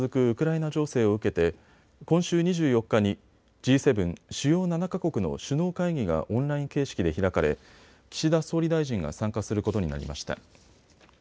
ウクライナ情勢を受けて今週２４日にＧ７・主要７か国の首脳会議がオンライン形式で開かれ岸田総理大臣が参加することになりました。